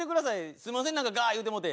すんません何かガ言うてもうて。